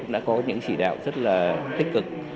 đã có những chỉ đạo rất là tích cực